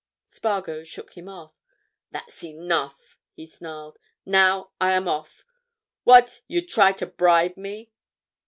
Spargo shook him off. "That's enough!" he snarled. "Now, I am off! What, you'd try to bribe me?"